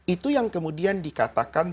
itu yang kemudian dikatakan